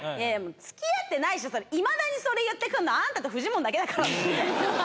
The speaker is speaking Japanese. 付き合ってないしいまだにそれ言ってくんのあんたとフジモンだけだからねマジで。